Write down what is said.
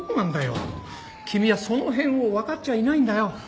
君はその辺をわかっちゃいないんだよ！